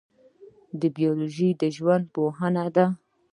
بیولوژي د ژوند پوهنه ده